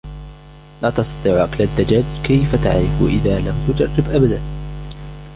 لا تستطيع اكل الدجاج ؟ كيف تعرف اذا لم تجرب ابداً ؟